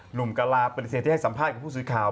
หนุ่มกราศปฏิเสธที่ให้สัมภาษณ์กับผู้สืบข่าว